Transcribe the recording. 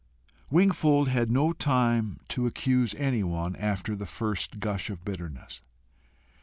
Wingfold had no time to accuse anyone after the first gush of bitterness.